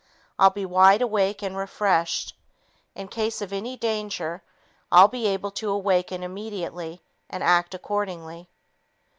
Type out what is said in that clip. I'll be wide awake and refreshed. In case of any danger, I'll be able to awaken immediately and act accordingly."